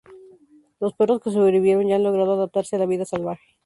Los perros que sobrevivieron ya han logrado adaptarse a la vida salvaje.